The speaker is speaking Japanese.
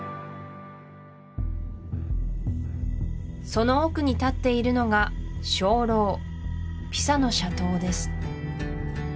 その奥に立っているのが鐘楼ピサの斜塔です